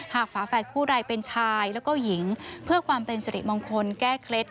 ฝาแฝดคู่ใดเป็นชายแล้วก็หญิงเพื่อความเป็นสิริมงคลแก้เคล็ด